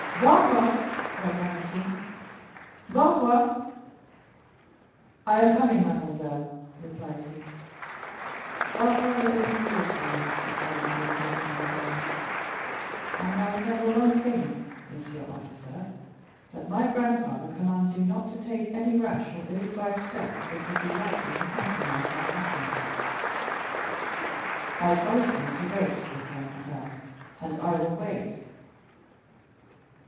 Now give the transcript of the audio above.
"Barrois," cried Valentine, "Barrois!" "I am coming, mademoiselle," replied he. "Barrois will open the door for you," said Valentine, addressing Morrel. "And now remember one thing, Monsieur Officer, that my grandfather commands you not to take any rash or ill advised step which would be likely to compromise our happiness." 40108m "I promised him to wait," replied Morrel; "and I will wait."